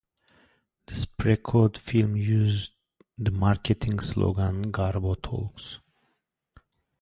This pre-Code film used the marketing slogan Garbo Talks!